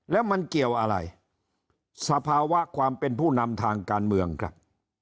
แล้วมันเกี่ยวอะไรสภาวะความเป็นผู้นำทางการเมืองครับ